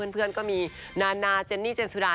เพื่อนก็มีนานาเจนนี่เจนสุดา